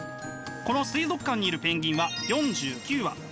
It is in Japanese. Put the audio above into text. この水族館にいるペンギンは４９羽。